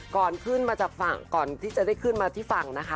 ก่อนขึ้นมาจากฝั่งก่อนที่จะได้ขึ้นมาที่ฝั่งนะคะ